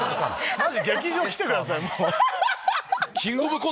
マジ劇場来てください。